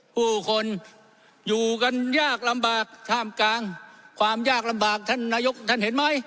ผู้คนอยู่กันยากลำบากท่ามกลางความยากลำบากท่านนายกท่านเห็นไหม